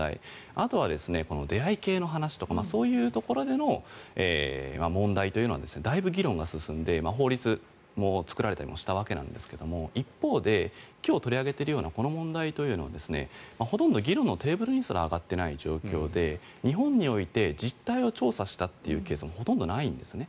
あとは出会い系の話とかそういうところでの問題はだいぶ議論が進んで今、法律が作られたりもしたわけなんですが一方で今日取り上げているようなこの問題というのはほとんど議論のテーブルにすら上がってない状況で日本において実態を調査したというケースもほとんどないんですね。